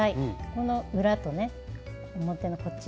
この裏とね表のこっち